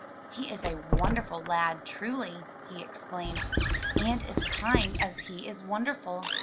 "He is a wonderful lad, truly, he exclaimed, "and as kind as he is wonderful!